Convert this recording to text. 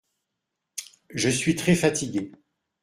Je suis très fatigué.